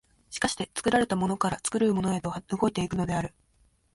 而して作られたものから作るものへと動いて行くのである。